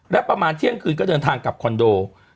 และประมาณเที่ยงคืนก็เดินทางกลับคอนโด